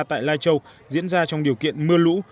tại lai châu diễn ra trong điều kiện mưa lũ